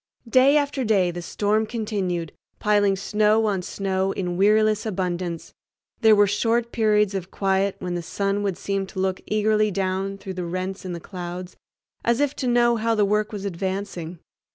Day after day the storm continued, piling snow on snow in weariless abundance. There were short periods of quiet, when the sun would seem to look eagerly down through rents in the clouds, as if to know how the work was advancing.